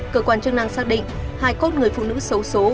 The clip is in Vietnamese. cơ quan chức năng xác định hai cốt người phụ nữ xấu xố